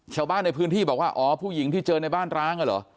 ชาวบ้านในพื้นที่บอกว่าอ๋อผู้หญิงที่เจอในบ้านร้างอ่ะเหรอ